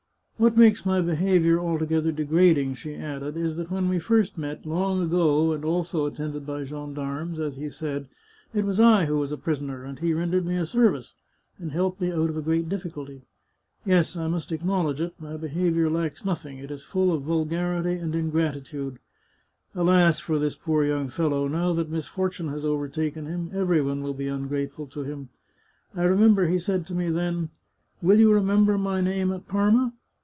" What makes my behaviour altogether degrading," she added, " is that when we first met, long ago, and also attended by gendarmes, as he said, it was I who was a prisoner, and he rendered me a service — and helped me out of a great difficulty. Yes, I must acknowledge it; my be haviour lacks nothing ; it is full of vulgarity and ingratitude. 279 The Chartreuse of Parma Alas, for this poor young fellow ! Now that misfortune has overtaken him, every one will be ungrateful to him. I re member he said to me then, ' Will you remember my name at Parma?'